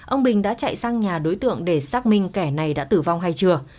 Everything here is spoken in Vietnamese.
ông bình đã chạy sang nhà đối tượng để xác minh kẻ này đã tử vong hay chưa